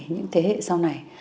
những thế hệ sau này